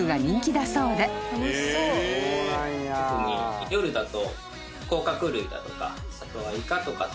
特に夜だと。